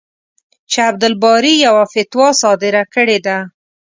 چې عبدالباري یوه فتوا صادره کړې ده.